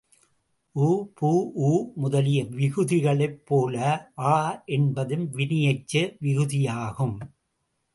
உ, பு, ஊ முதலிய விகுதிகளைப் போல ஆ என்பதும் வினையெச்ச விகுதியாகும்.